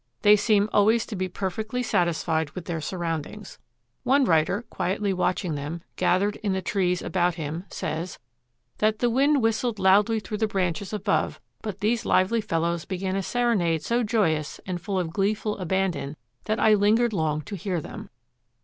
They seem always to be perfectly satisfied with their surroundings. One writer, quietly watching them, gathered in the trees about him, says that "The wind whistled loudly through the branches above, but these lively fellows began a serenade so joyous and full of gleeful abandon that I lingered long to hear them.